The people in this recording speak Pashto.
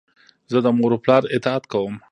زه د مور و پلار اطاعت کوم.